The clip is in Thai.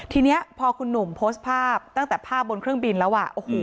ทีนี้พอคุณหนุ่มโพสต์ภาพตั้งแต่ภาพบนเครื่องบินแล้วอ่ะโอ้โห